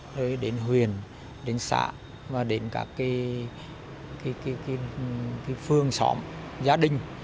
rồi đến huyền đến xã và đến các phương xóm gia đình